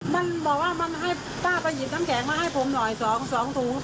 มันบอกว่ามันให้ป้าไปหยิบน้ำแข็งมาให้ผมหน่อย๒ถุง